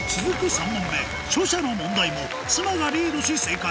３問目書写の問題も妻がリードし正解